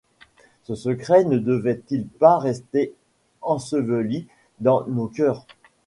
Ce secret ne devait-il pas rester enseveli dans nos cœurs ?